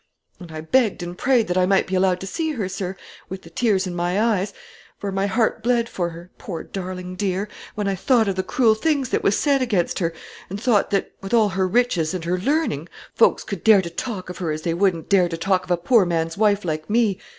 And I begged and prayed that I might be allowed to see her, sir, with the tears in my eyes; for my heart bled for her, poor darling dear, when I thought of the cruel things that was said against her, and thought that, with all her riches and her learning, folks could dare to talk of her as they wouldn't dare talk of a poor man's wife like me.